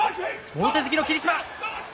もろ手突きの霧島。